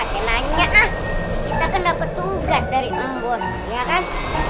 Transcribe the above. kita akan dapat tugas dari embos ya kan